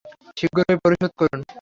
শীঘ্রই পরিশোধ করুন।